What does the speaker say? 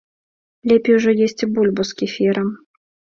Лепей ужо есці бульбу з кефірам.